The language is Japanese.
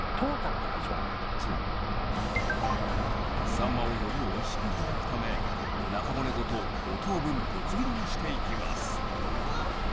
さんまをよりおいしく頂くため中骨ごと５等分ぶつ切りにしていきます。